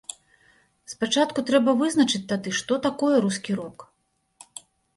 Спачатку трэба вызначыць тады, што такое рускі рок.